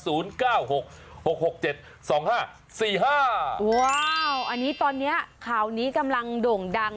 อันนี้ตอนนี้ข่าวนี้กำลังโด่งดัง